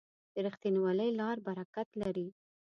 د رښتینولۍ لار برکت لري.